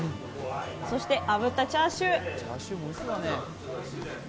そして、あぶったチャーシュー！